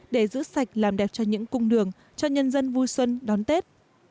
để giữ sạch làm đẹp cho những cung đường cho nhân dân vui xuân đón tết